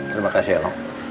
terima kasih elang